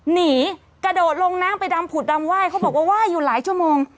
หนีกระโดดลงน้ำไปดำผุดดำไหว้เขาบอกว่าไหว้อยู่หลายชั่วโมง